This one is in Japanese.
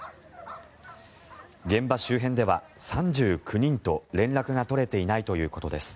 現場周辺では３９人と連絡が取れていないということです。